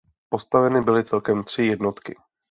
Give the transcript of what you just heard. Postaveny byly celkem tři jednotky.